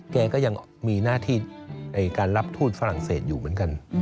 แกก็ยังมีหน้าที่ในการรับทูตฝรั่งเศสอยู่เหมือนกัน